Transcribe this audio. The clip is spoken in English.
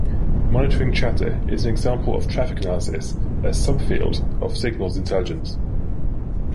Monitoring chatter is an example of traffic analysis, a sub-field of signals intelligence.